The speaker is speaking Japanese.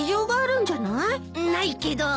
ないけど。